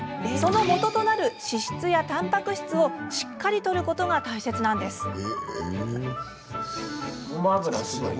そのもととなる脂質やたんぱく質をしっかりとることが大切なんです。